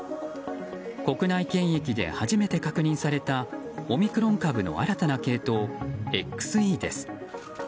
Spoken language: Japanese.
国内検疫で初めて確認されたオミクロン株の新たな系統ＸＥです。